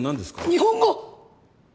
日本語！